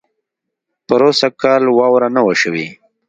پروسږ کال واؤره نۀ وه شوې